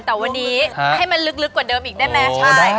แต่วันนี้ให้มันลึกกว่าเดิมอีกได้ไหม